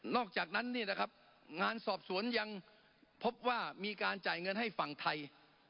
อกจากนั้นงานสอบสวนยังพบว่ามีการจ่ายเงินให้ฝั่งไทย